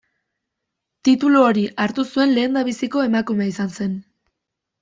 Titulu hori hartu zuen lehendabiziko emakumea izan zen.